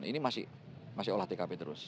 ini masih olah tkp terus